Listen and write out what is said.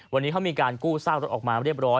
วันนี้เขามีการกู้ซากรถออกมาเรียบร้อย